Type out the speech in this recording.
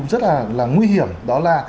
rất là nguy hiểm đó là